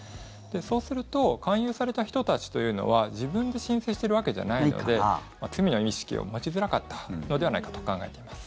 そうすると勧誘された人たちというのは自分で申請しているわけじゃないので罪の意識を持ちづらかったのではないかと考えています。